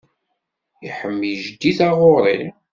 Iḥemmel Jeddi taɣuṛi.